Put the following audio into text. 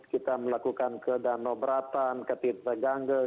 kita melakukan ke danau beratan ke tirta gangge